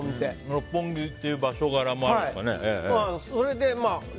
六本木っていう場所柄もあるんですかね。